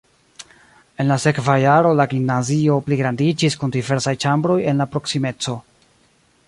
En la sekva jaro la gimnazio pligrandiĝis kun diversaj ĉambroj en la proksimeco.